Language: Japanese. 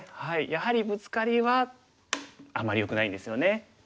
やはりブツカリはあまりよくないんですよね。